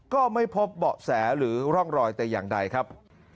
ก็ไม่พบเบาะแสหรือร่องรอยแต่อย่างใดครับ